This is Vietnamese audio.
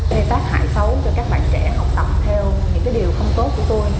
gây tác hại xấu cho các bạn trẻ học tập theo những điều không tốt của tôi